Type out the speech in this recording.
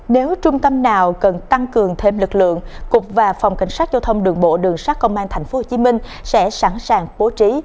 nếu trung tâm nào cần tăng cường thêm lực lượng cục và phòng cảnh sát giao thông đường bộ đường sát công an tp hcm sẽ sẵn sàng bố trí